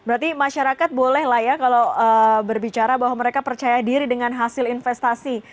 jadi masyarakat bolehlah ya kalau berbicara bahwa mereka percaya diri dengan hasil investasi